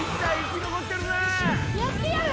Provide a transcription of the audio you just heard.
やってやる！